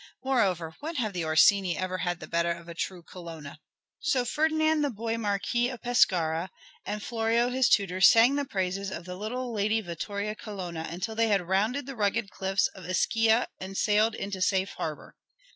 Moreover when have the Orsini ever had the better of a true Colonna?" So Ferdinand the boy Marquis of Pescara and Florio his tutor sang the praises of the little Lady Vittoria Colonna until they had rounded the rugged cliffs of Ischia and sailed into safe harbor.